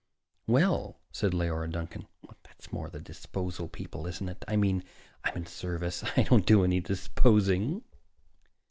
"Well," said Leora Duncan, "that's more the disposal people, isn't it? I mean, I'm in service. I don't do any disposing."